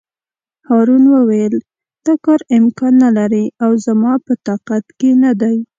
هارون وویل: دا کار امکان نه لري او زما په طاقت کې نه دی.